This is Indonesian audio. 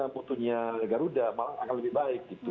putunya garuda malah akan lebih baik gitu